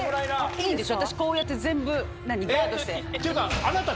いいんでしょ？